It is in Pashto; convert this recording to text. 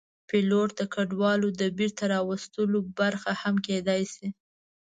پیلوټ د کډوالو د بېرته راوستلو برخه هم کېدی شي.